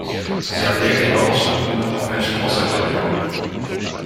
Sie haben negative Auswirkungen auf Menschen außerhalb der Union.